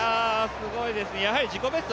すごいです、やはり自己ベスト